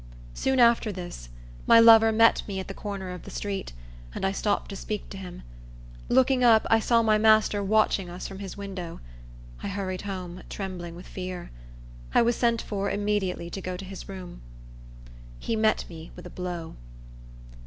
Soon after this, my lover met me at the corner of the street, and I stopped to speak to him. Looking up, I saw my master watching us from his window. I hurried home, trembling with fear. I was sent for, immediately, to go to his room. He met me with a blow.